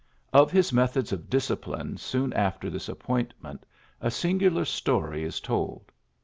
Of his methods of discipline soon after this appointment a singular story is told.